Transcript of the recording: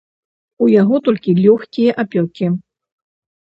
У яго толькі лёгкія апёкі.